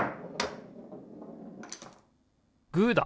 グーだ！